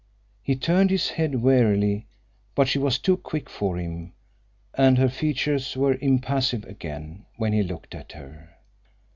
He turned his head warily, but she was too quick for him, and her features were impassive again when he looked at her.